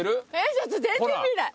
ちょっと全然見えない。